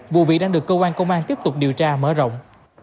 vụ việc đang được cơ quan công an tiếp tục điều tra mở rộng